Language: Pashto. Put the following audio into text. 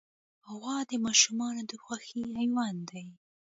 غوا د ماشومانو د خوښې حیوان دی.